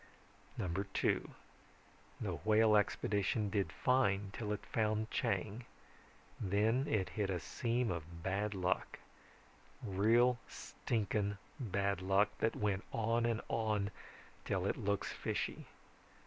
(2) The Whale expedition did fine till it found Chang. Then it hit a seam of bad luck. Real stinking bad luck that went on and on till it looks fishy.